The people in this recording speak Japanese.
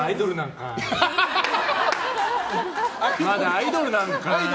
まだアイドルなんかーい！